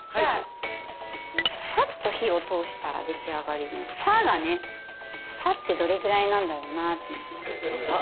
さっと火を通したら出来上がりの「さっ」がね「さっ」てどれぐらいなんだろうな？っていう。